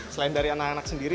selain dari anak anak sendiri